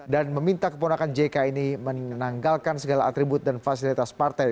dan meminta keponakan jk ini menanggalkan segala atribut dan fasilitas partai